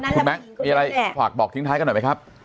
คุณแม็กซ์มีอะไรฝากบอกทิ้งท้ายกันหน่อยไหมครับ